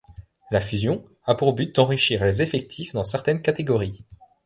La fusion a pour but d'enrichir les effectifs dans certaines catégories.